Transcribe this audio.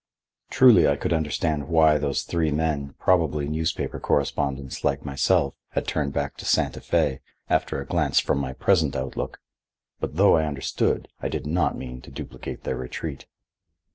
Truly I could understand why those three men, probably newspaper correspondents like myself, had turned back to Santa Fe, after a glance from my present outlook. But though I understood I did not mean to duplicate their retreat.